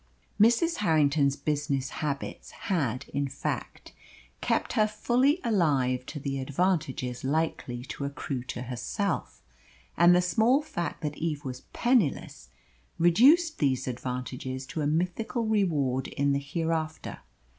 Mrs. Harrington's business habits had, in fact, kept her fully alive to the advantages likely to accrue to herself; and the small fact that Eve was penniless reduced these advantages to a mythical reward in the hereafter.